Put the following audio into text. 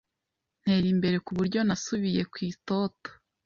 ntera imbere ku buryo nasubiye ku itoto